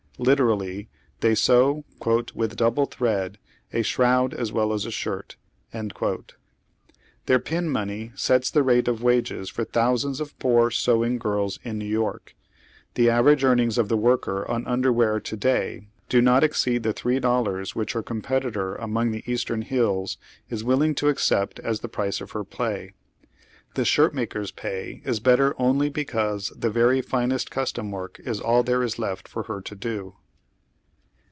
Literally, they sew " with double thread, a shrond as well as a shirt." Their pin money sets the rate of wages for thousands of poor sewing gh ls in New York, The average earnings of the worker on underwear to day do not exceed the three dollars which her competitor Cooole 240 HOW THE OTHEK HALF LIVES. among tlieEastern hills is willing to accept as the price of lier play. The shirtmaker's pay is better only becanse tlie very finest custom work is all there is left for lier to do.